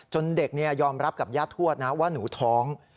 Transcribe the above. จนเด็กเนี่ยยอมรับกับย่าทวชนะว่าหนูท้อง